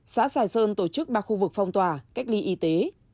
xã sài sơn tổ chức ba khu vực phong tỏa cách ly y tế